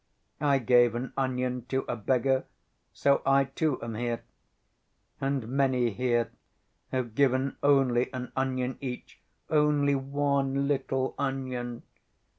I gave an onion to a beggar, so I, too, am here. And many here have given only an onion each—only one little onion....